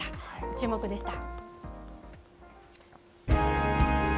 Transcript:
チューモク！でした。